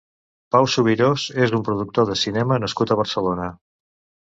Pau Subirós és un productor de cinema nascut a Barcelona.